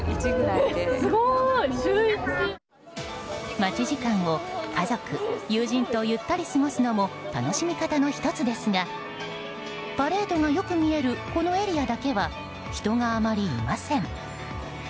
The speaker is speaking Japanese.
待ち時間を、家族、友人とゆったりと過ごすのも楽しみ方の１つですがパレードがよく見えるこのエリアだけは人があまりいません。